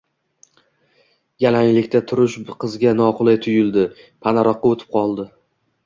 Yalanglikda turish qizga noqulay tuyuldi, panaroqqa oʻtib oldi